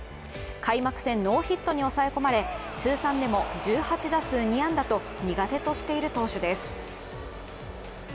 開幕戦ノーヒットに抑え込まれ通算でも１８打数２安打と苦手としている投手です。